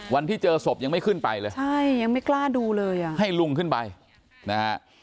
วันที่เจอศพยังไม่ขึ้นไปเลยใช่ยังไม่กล้าดูเลยอ่ะให้ลุงขึ้นไปนะฮะ